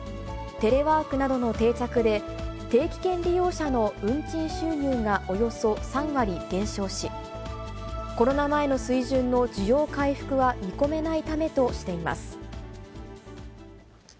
テレワークなどの定着で、定期券利用者の運賃収入がおよそ３割減少し、コロナ前の水準の需要回復は見込めないためとしています。